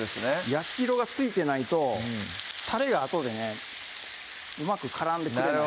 焼き色がついてないとたれがあとでねうまく絡んでくれない